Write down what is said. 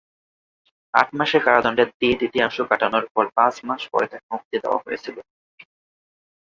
আট মাসের কারাদণ্ডের দ্বি-তৃতীয়াংশ কাটানোর পর পাঁচ মাস পরে তাকে মুক্তি দেওয়া হয়েছিল।